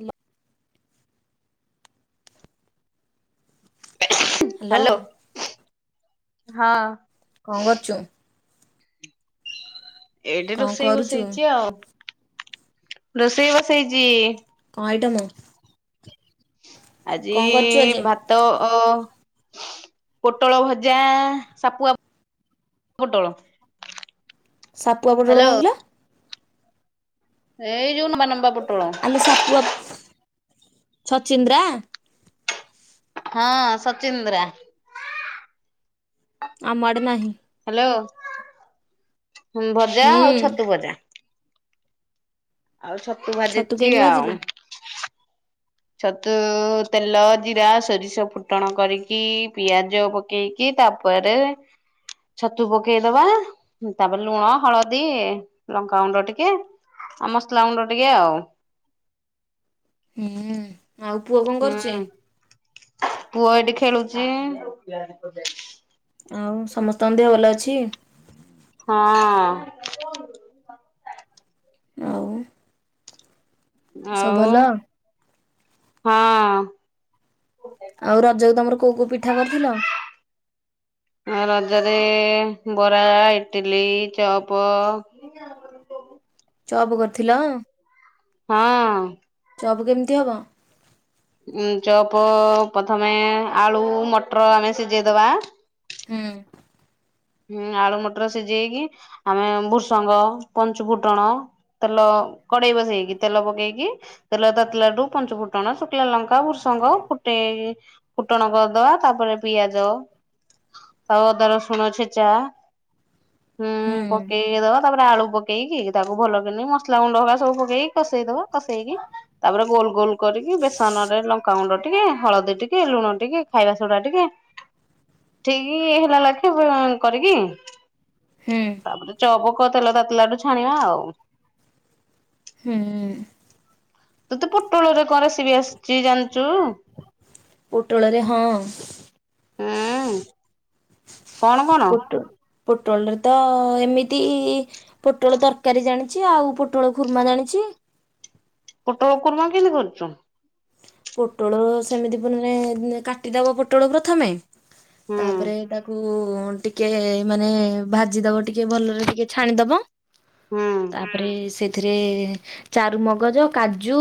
Hello. Hello hello ହଁ। କଣ କରୁଚୁ? ଏଇଠି କଣ ରୋଷେଇ କରୁଛୁ ବସେଇଚି ଆଉ ରୋଷେଇ ବସେଇଚି। କଣ ଆଇଟମ? ଆଜି କଣ କରୁଛୁ ଆଜି? ଭାତ ଅ। ପୋଟଳ ଭଜା ଆ ସାପୁଆ ପୋଟଳ। ସାପୁଆ ପୋଟଳ ହ୍ୟାଲୋ କଣ କିଲୋ? ହେଇ ଯଉ ନମ୍ବା ନମ୍ବା ପୋଟ୍ ଆଲୋ ସାପୁଆ ଛଚିନ୍ଦ୍ରା? ହଁ ସଚିନ୍ଦ୍ରା। ଆମ ଆଡେ ନାହିଁ। ହ୍ୟାଲୋ ହୁଁ ଭଜା ହୁଁ ଆଉ ଛତୁ ଭଜା। ଆଉ ଛତୁ ଭାଜିିଛି କେମିତି ଭାଜିଲୁ? ଆଉ। ଛତୁ ତେଲ ଜିରା ସୋରିଷ ଫୁଟଣ କରିକି ପିଆଜ ପକେଇକ କି ତାପରେ ଛତୁ ପକେଇଦବା ତାପରେ ଲୁଣ ହଳଦୀ ଲଙ୍କାଗୁଣ୍ଡ ଟିକେ ଆ ମସଲା ଗୁଣ୍ଡ ଟିକେ ଆଉ। ହୁଁ ଆଉ ପୁଅ କଣ କରୁଚି? ହୁଁ ପୁଅ ଏଠି ଖେଳୁଚି। ଆଉ ସମସ୍ତଙ୍କ ଦେହ ଭଲ ଅଛି। ହଁ। ଆଉ। ସବୁ ଆଉ ଭଲ ହଁ। ଆଉ ରଜକୁ ତମର କୋଉ କୋଉ ପିଠା କରିଥିଲ? ଆ ରଜରେ ବରା ଇଟିଲି ଚପ [inaudible] ଚପ୍ କରିଥିଲ। ହଁ। ଚପ କେମିତି ହଵ? ଉ ଚପ ପଥମେ ଆଳୁ ମଟର ଆମେ ସିଜେଇଦବା। ହୁଁ। ହୁଁ ଆଳୁ ମଟର ସିଝେଇକି ଆମେ ଭୃସଙ୍ଗ ପଞ୍ଚୁ ଫୁଟଣ। ତେଲ କଡେଇ ବସେଇକି ତେଲ ପକେଇକି ତେଲ ତାତିଲାଠୁ ପଞ୍ଚୁ ଫୁଟଣ ଶୁଖିଲା ଲଙ୍କା ଭୃସଙ୍ଗ ଫୁଟେ ଫୁଟଣ କରିଦବା ତାପରେ ପିଆଜ ଆଉ ଅଦା ରସୁଣ ଛେ ଚା ହୁଁ ପକେଇକିଦବା। ତାପରେ ଆଳୁ ପକେଇକି ତାକୁ ଭଲ କିନି ମସଲା ଗୁଣ୍ଡହେକା ସବୁ ପକେଇକି କଷେଇ ଦବା କସେଇକି ତାପରେ ଗୋଲ ଗୋଲ କରିକି ବେସନ ରେ ଲଙ୍କାଗୁଣ୍ଡ ଟିକେ ହଳଦୀ ଟିକେ ଲୁଣ ଟିକେ ଖାଇବା ସୋଢା ଟିକେ ହଁ। ଠିକ ହେଲା ଲାଖେ ବ କରିକି ହୁଁ। ତାପରେ ଚପ କ ତେଲ ତାତିଲାଠୁ ଛାଣିବ ଆଉ। ହୁଁ। ତତେ ପୋଟଳରେ କଣ ରେସିବି ଆସିଛି ଜାଣିଛୁ? ପୋଟଳରେ ହଁ। ହୁଁ କଣ କଣ? ପୋଟ ପୋଟଳରେ ତ ଏମିତି ପୋଟଳ ତରକାରୀ ଜାଣିଛି ଆଉ ପୋଟଳ କୁର୍ମା ଜାଣିଛି। ପୋଟଳ କୁର୍ମା କେମିତି କରୁଚୁ? ପୋଟଳ ସେମିତି ପନେ କାଟିଦେବ ପୋଟଳ ପ୍ରଥମେ। ହୁଁ ତାପରେ ତାକୁ ଟିକେ ମାନେ ଭାଜିଦବ ଟିକେ ଭଲରେ ଟିକେ ଛାଣିଦବ। ହୁଁ ତାପରେ ସେ ଏଥିରେ ଚାରୁମଗଜ କାଜୁ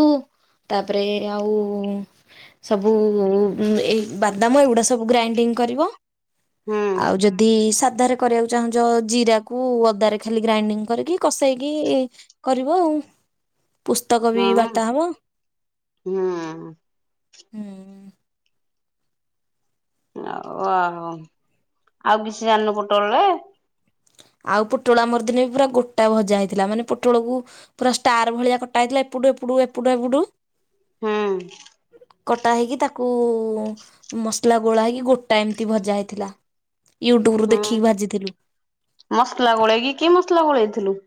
ତାପରେ ଆଉ ସବୁ ଏ ବାଦାମ ଏଗୁଡା ସବୁ ଗ୍ରାଇଣ୍ଡିଙ୍ଗ କରିବ। ହୁଁ ଆଉ ଯଦି ସାଧାରେ କରିବାକୁ ଚାହୁଁଛ ଜିରାକୁୁ ଓଦାରେ ଖାଲି ଗ୍ରାଇଣ୍ଡିଙ୍ଗ କରିକି କଷେଇକି କରିବ ଆଉ ପୁସ୍ତକ ବି ବାର୍ତା ହବ। ହଁ। ହୁଁ। [unintelligible] ଆଉ କିଛି ଜାଣିନୁ [unintelligible] ଆଉ ପୋଟଳ ଆମର ଦିନେ ବି ପୁରା ଗୋଟା ଭଜା ହେଇଥିଲା ମାନେ ପୋଟଳକୁ ପୁରା ଷ୍ଟାର ଭଳିଆ କଟା ହେଇଥିଲା ଏପଟୁ ଏପଡୁ ଏପଟୁ ଏପଡୁ। ହୁଁ। କଟା ହେଇକି ତାକୁ ମସଲା ଗୋଳା ହୋଇକି ଗୋଟା ଏମିତି ଭଜା ହେଇଥିଲା। ୟୁଟ୍ୟୁବ ରୁ ହୁଁ ଦେଖିକି ଭାଜିଥିଲୁ। ମସଲା ଗୋଳେଇକି କି ମସଲା ଗୋଳେଇଥିଲୁ?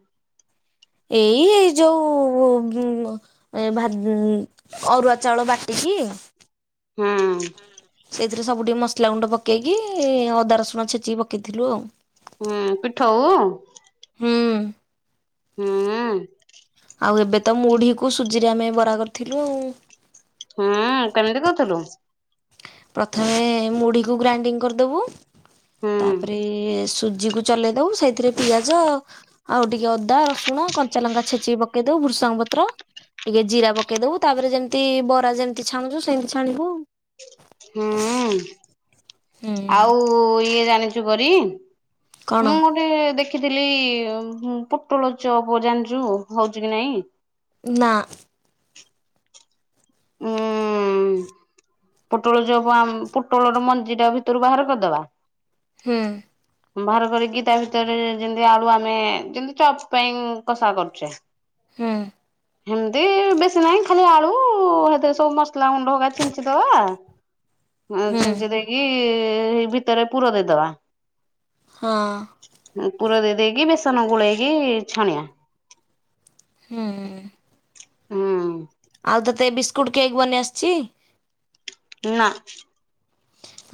ଏଇ ଯୋଉ ଏ ଭା ଅରୁଆ ଚାଉଳ ବାଟିକି। ହଁ। ସେଇଥିରେ ସବୁ ଟିକେ ମସଲା ଗୁଣ୍ଡ ପକେଇକି ଅଦା ରସୁଣ ଛେଚିକି ପକେଇଥିବ। ହୁଁ ପିଠ [unintelligible] ହଁ। ହୁଁ। ଆଉ ଏବେ ତ ମୁଢିକୁ ସୁଜିରେ ଆମେ ବରା କରିଥିଲୁ ଆଉ। ହୁଁ କେମିତି କରିଥିଲ? ପ୍ରଥମେ ମୁଢିକୁ ଗ୍ରାଇଣ୍ଡିଙ୍ଗ କରିଦବୁ ହୁଁ ତାପରେ ସୁଜିକୁ ଚଲେଇ ଦେଉ ସେଇଥିରେ ପିଆଜ ଆଉ ଟିକେ ଅଦା ରସୁଣ କଞ୍ଚା ଲଙ୍କା ଛେଚିକି ପକେଇ ଦଉ ବୃସାଙ୍ଗ ପତ୍ର ଟିକେ ଜିରା ପକେଇ ଦବୁ ତାପରେ ଯେମିତି ବରା ଯେମିତି ଛାଣୁଛୁ ସେମିତି ଛାଣିଦବୁ ହୁଁ ହୁଁ ଆଉ ଇଏ ଜାଣିଛୁ କରି କଣ ମୁଁ ଦେଖିଥିଲି ପୋଟଳ ଚପ ଜାଣିଛୁ ହଉଛି କି ନାଇଁ? ନା। ହୁଁ ହୁଁ। ପୋଟଳ ଯ ପୋଟଳ ର ମଞ୍ଜି ଟା ଭିତରୁ ବାହାର କରିଦବା। ହୁଁ। ବାହାର କରିକି ତା ଭିତରେ ଯେମତି ଆଳୁ ଆମେ ଯେମିତି ଚପ ପାଇଁ କଷା କରୁଛେ। ହଁ। ହଁ। ଏମିତି ବେଶୀ ନାହିଁ ଖାଲି ଆଳୁ ଏତ ସବୁ ମସଲା ଗୁଣ୍ଡା [unintelligible] ଦବା ହୁଁ ଛିଞ୍ଚି ଦେଇକି ଭିତରେ ପୁର ଦେଇଦବା। ହଁ। ପୁର ଦେଇ ଦେଇକି ବେସନ ଗୋଳେଇକି ଛାଣିଆ। ହୁଁ। ହୁଁ। ଆଉ ତୋତେ ବିସ୍କୁଟ୍ କେକ୍ ବନେଇ ଆସିଚି? ନାଁ।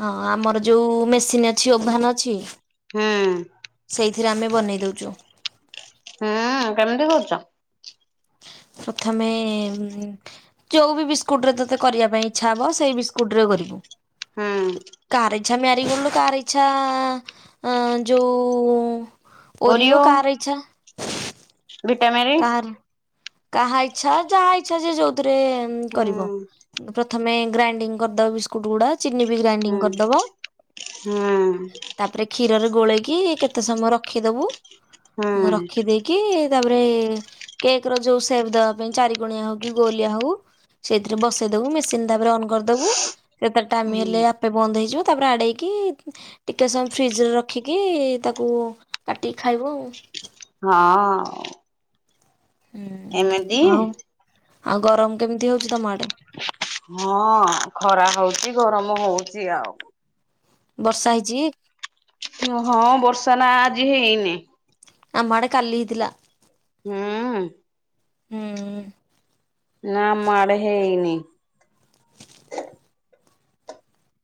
ହଁ ଆମର ଯୋଉ ମେସିନ୍ ଅଛି ଓଭାନ ଅଛି। ହୁଁ ସେଇଥିରେ ଆମେ ବନେଇ ଦଉଚୁ। ହୁଁ କେମିତି [unintelligible] [inaudible] [inaudible] ହୁଁ। [inaudible] ଓରିଓ [inaudible] [inaudible] କାହାର ହୁଁ [inaudible] ହୁଁ [inaudible] ହୁଁ [inaudible] ହୁଁ [inaudible] [inaudible] [inaudible] [inaudible] [inaudible] [inaudible] ଏମିତି [inaudible] [inaudible] [inaudible] [inaudible] [inaudible] [inaudible] [inaudible] [inaudible]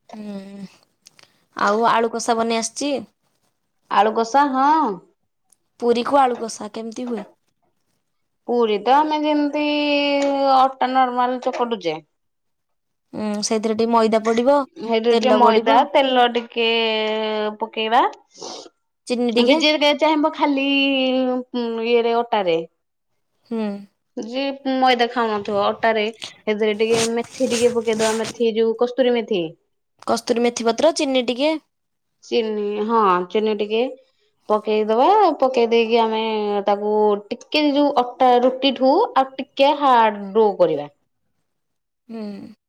[inaudible] [inaudible] [inaudible] [inaudible] [inaudible] ତେଲ ପଡ଼ିବ [inaudible] [inaudible] [inaudible] [inaudible] [inaudible] [inaudible] [inaudible] [inaudible] [inaudible] [inaudible] [inaudible]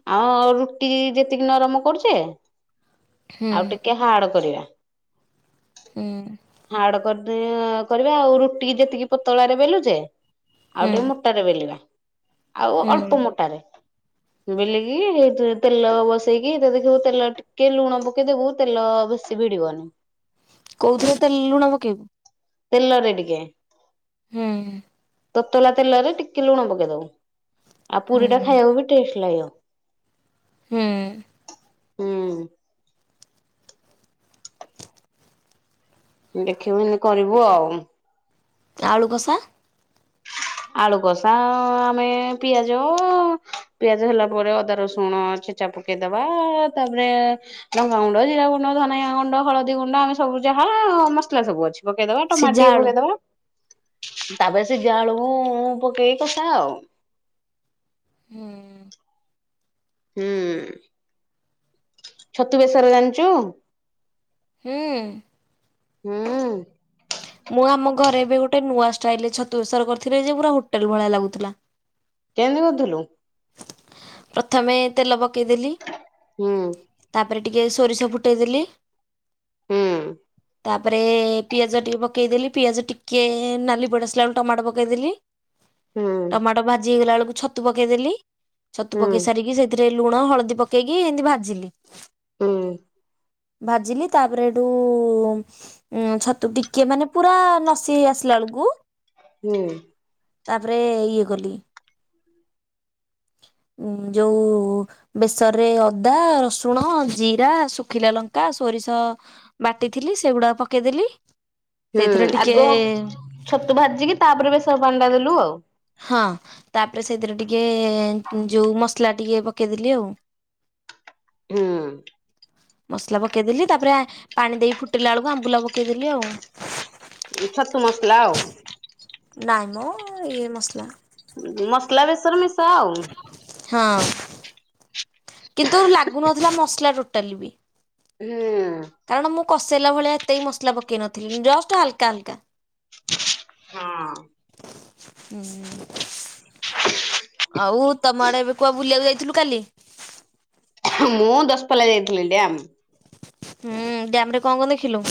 [inaudible] ହୁଁ [inaudible] [inaudible] [inaudible] ହୁଁ ହୁଁ [inaudible] [inaudible] [inaudible] କୋଉଥିରେ ତେ ଲୁଣ ପକେଇବୁ? ତେଲରେ ଟିକେ। ହୁଁ। ତତଲା ତେଲରେ ଟିକେ ଲୁଣ ପକେଇଦବୁ ଆଉ ହୁଁ ପୁରୀ ଟା ଖାଇବାକୁ ବି ଟେଷ୍ଟ ଲାଗିବ। ହୁଁ ହୁଁ। ଦେଖିବୁ ଏମିତି କରିବୁ ଆଉ। ଆଳୁ କଷା? ଆଳୁ କଷା ଆମେ ପିଆଜ ପିଆଜ ହେଲା ପରେ ଅଦା ରସୁଣ ଛେ ଚା ପକେଇଦବା ତାପରେ ଲଙ୍କାଗୁଣ୍ଡ, ଜିରାଗୁଣ୍ଡ, ଧନିଆଗୁଣ୍ଡ, ହଳଦୀଗୁଣ୍ଡ ଆମେ ସବୁ ଯାହା ମସଲା ସବୁ ଅଛି। ପକେଇଦବା ଟମାଟ ସିଝା ଟିକେ ଆଳୁ ପକେଇଦବା ତାପରେ ସିଝା ଆଳୁ ହୁଁ ଉନ୍ ପକେଇକି କସା ଆଉ। ହୁଁ। ହୁଁ ଛତୁ ବେଶର ଜାଣିଛୁ? ହୁଁ। ହୁଁ ମୁଁ ଆମ ଘରେ ଏବେ ଗୋଟେ ନୂଆ ଷ୍ଟାଇଲ ରେ ଛତୁ ବେସର କରିଥିଲି ଯେ ପୁରା ହୋଟେଲ ଭଳିଆ ଲାଗୁଥିଲା। କେମିତି କରିଥିଲୁ? ପ୍ରଥମେ ତେଲ ପକାଇଦେଲି ହୁଁ। ତାପରେ ଟିକେ ସୋରିଷ ଫୁଟେଇଦେଲି ହୁଁ। ତାପରେ ପିଆଜ ଟିକେ ପକାଇଦେଲି ପିଆଜ ଟିକିଏ ନାଲି ପଡି ଆସିଲା ବେଳକୁ ଟମାଟୋ ପକେଇଦେଲି ହୁଁ ଟମାଟୋ ଭାଜି ହେଇଗଲା ବେଳକୁ ଛତୁ ପକେଇଦେଲି ଛତୁ ହୁଁ ପକେଇ ସାରିକି ସେଇଥିରେ ଲୁଣ, ହଳଦୀ ପକେଇକି ଏମିତି ଭାଜିଲି। ହୁଁ। ଭାଜିଲି ତାପରେ ଏଠୁ ଉଁ ଛତୁ ଟିକେ ମାନେ ପୁରା ନସି ହେଇ ଆସିଲା ବେଳକୁ ହୁଁ। ତାପରେ ଇଏ କଲି ଉ ଯୋଉଁ ବେସର ରେ ଅଦା, ରସୁଣ, ଜିରା, ଶୁଖିଲା ଲଙ୍କା, ସୋରିଷ ବାଟିଥିଲି ସେଗୁଡା ପକେଇଦେଲି ହୁଁ ସେଇଥିରେ ଟିକେ ଆଗ ଛତୁ ଭାଜିକି ତାପରେ ବେସର ପାଣି ଟା ଦେଲୁ ଆଉ ହଁ ତାପରେ ସେଇଥିରେ ଟିକେ ଯୋଉ ମସଲା ଟିକେ ପକେଇଦେଲି ଆଉ। ହୁଁ। ମସଲା ପକେଇଦେଲି ତାପରେ ପାଣି ଦେଇ ଫୁଟିଲା ବେଳକୁ ଆମ୍ବୁଲା ପକେଇଦେଲି ଆଉ। ଛତୁ ମସଲା ଆଉ। ନାଇ ମ ଇଏ ମସଲା ମସଲା ବେସର ମିଶା ଆଉ ହଁ କିନ୍ତୁ ଲାଗୁନଥିଲା ମସଲା ଟୋଟାଲି ବି ହୁଁ। କାରଣ ମୁଁ କଷେଇଲା ଭଳିଆ ଏତେ ବି ମସଲା ପକେଇ ନଥିଲି ଜଷ୍ଟ ହାଲକା ହାଲକା। ହଁ। ହୁଁ। ଆଉ ତମ ଆଡେ ଏବେ କୁଆ ବୁଲିବାକୁ ଯାଇଥିଲୁ କାଲି? ମୁଁ ଦଶପଲ୍ଲା ଯାଇଥିଲି ଡ୍ୟାମ। ହୁଁ ଡ୍ୟାମ ରେ କଣ କଣ ଦେଖିଲୁ?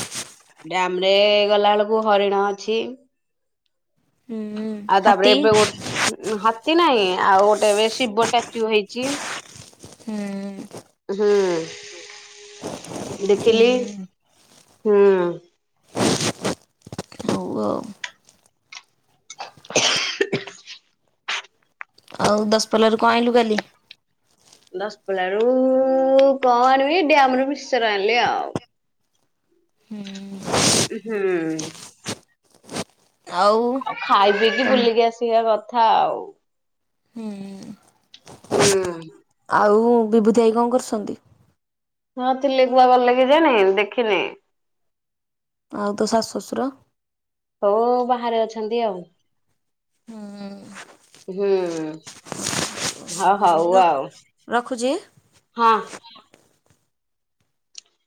ଡ୍ୟାମ ରେ ଗଲା ବେଳକୁ ହରିଣ ଅଛି। ହୁଁ ଆଉ ତାପରେ ହାତୀ। ଏବେ ଗୋ ହାତୀ ନାହିଁ ଆଉ ଗୋଟେ ଏବେ ଶିବ ଟାଚୁ ହେଇଛି। ହୁଁ। ହୁଁ। ଦେଖିଲି ହୁଁ। ହୁଁ। ହଉ ଆଉ। ଆଉ ଦଶପଲ୍ଲା ରୁ କଣ ଆଇଲୁ କାଲି? ଦଶପଲ୍ଲା ରୁ କଣ ଆଣିବି ଡ୍ୟାମ ରୁ ମିକ୍ସିଚର ଆଣିଲି ଆଉ। ହୁଁ। ହୁଁ। ଆଉ ଖାଇପିଇକିି ତମ ବୁଲିକି ଆସିବା କଥା ଆଉ। ହୁଁ। ହୁଁ। ଆଉ ବିଭୁତି ଭାଇ କଣ କରୁସନ୍ତି? ହଁ ଥିଲେ କୁଆ ଗଲେ କେଜାଣି ଦେଖିନି? ଆଉ ତୋ ଶାଶୁ ଶ୍ୱଶୁର? ସବୁ ବାହାରେ ଅଛନ୍ତି ଆଉ ହୁଁ ହୁଁ। ହଁ ହଉ ଆଉ ରଖୁଛି। ହଁ।